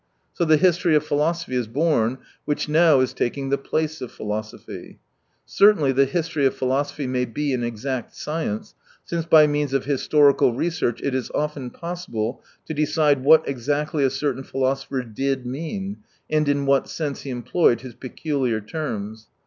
So the history of philosophy is born, which now is taking the place of philosophy. Certainly the history of philosophy may be an exact science, since by means of historical research it is often possible to decide what exactly a certain philosapher did mean, and in what sense he employed his peculiar terms.